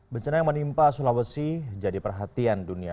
bencana yang menimpa sulawesi jadi perhatian dunia